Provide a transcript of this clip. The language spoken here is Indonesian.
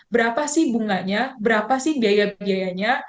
berapa sih bunganya berapa sih biaya biayanya